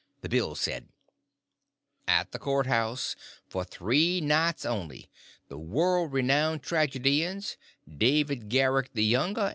The bills said: AT THE COURT HOUSE! FOR 3 NIGHTS ONLY! The World Renowned Tragedians DAVID GARRICK THE YOUNGER!